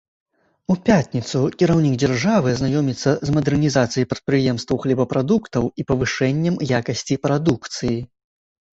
У пятніцу кіраўнік дзяржавы азнаёміцца з мадэрнізацыяй прадпрыемстваў хлебапрадуктаў і павышэннем якасці прадукцыі.